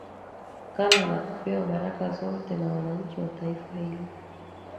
kana na kupewa baraka zote na wananchi wa taifa hilo